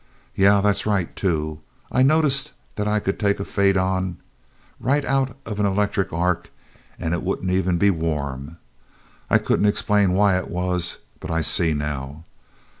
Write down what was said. "Yeah, that's right, too. I noticed that I could take a faidon right out of an electric arc and it wouldn't even be warm. I couldn't explain why it was, but I see now.